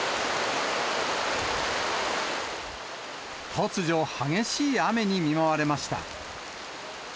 突如、激しい雨に見舞われました。